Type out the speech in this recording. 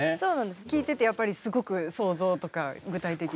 聞いててやっぱりすごく想像とか具体的に。